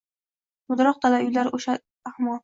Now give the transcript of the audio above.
Mudroq dala uylar osha hamon